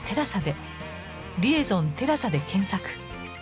「リエゾンテラサ」で検索